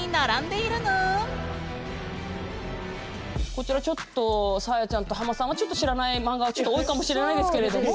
こちらちょっとサーヤちゃんとハマさんは知らないマンガが多いかもしれないですけれども。